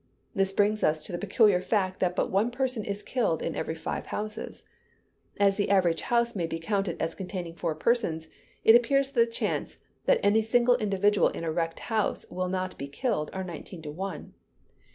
This brings us to the peculiar fact that but one person is killed in every five houses. As the average house may be counted as containing four persons, it appears that the chances that any single individual in a wrecked house will not be killed, are nineteen to one.